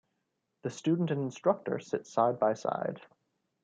The student and instructor sit side-by-side.